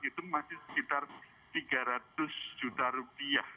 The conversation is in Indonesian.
itu masih sekitar tiga ratus juta rupiah